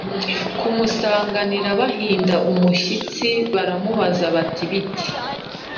Kumusanganira bahinda umushitsi baramubaza bati bite?